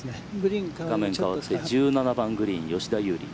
画面が変わって１７番グリーン吉田優利。